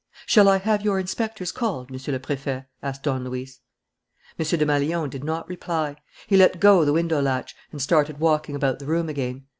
"Shall I have your inspectors called, Monsieur le Préfet?" asked Don Luis. M. Desmalions did not reply. He let go the window latch and started walking about the room again.